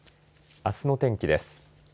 あすの天気です。